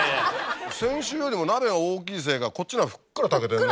先週よりも鍋が大きいせいかこっちの方がふっくら炊けてるね。